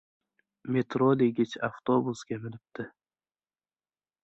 «Metro degich avtobusga minibdi».